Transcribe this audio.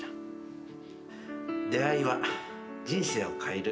「出会いは人生を変える」